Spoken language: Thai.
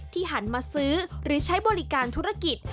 หันมาซื้อหรือใช้บริการธุรกิจ